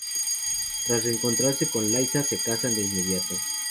Tras reencontrarse con Lysa se casan de inmediato.